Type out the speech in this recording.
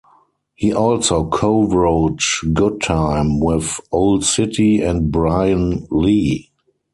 He also co-wrote "Good Time" with Owl City and Brian Lee.